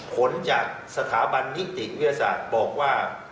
ผลจากสถาบันนิติวิทยาศาสตร์บอกว่า